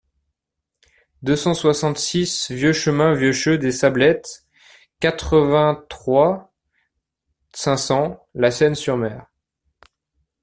deux cent soixante-six vieux Chemin Vieux Che des Sablettes, quatre-vingt-trois, cinq cents, La Seyne-sur-Mer